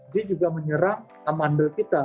dia juga menyerang amandel kita